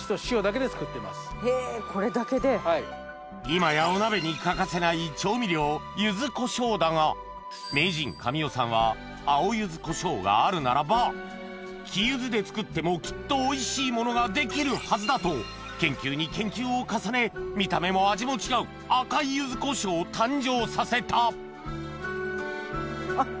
今やお鍋に欠かせない調味料ゆずこしょうだが名人神代さんは青ゆずこしょうがあるならば黄ゆずで作ってもきっとおいしいものができるはずだと研究に研究を重ね見た目も味も違う赤いゆずこしょうを誕生させたあっ。